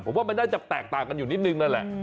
ผมว่ามันน่าจะแตกต่างกันอยู่นิดนึงนั่นแหละ